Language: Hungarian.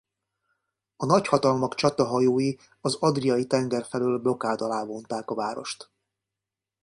A nagyhatalmak csatahajói az Adriai-tenger felől blokád alá vonták a várost.